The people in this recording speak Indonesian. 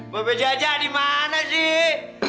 mabai jajah dimana sih